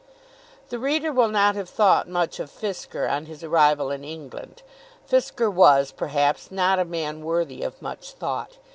The reader will not have thought much of Fisker on his arrival in England. Fisker was, perhaps, not a man worthy of much thought.